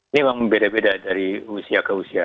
ini memang beda beda dari usia ke usia